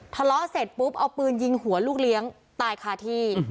ทะเลาะเสร็จปุ๊บเอาปืนยิงหัวลูกเลี้ยงตายคาที่